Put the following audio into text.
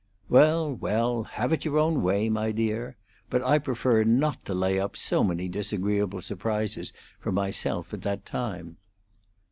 "Well, well, have it your own way, my dear. But I prefer not to lay up so many disagreeable surprises for myself at that time."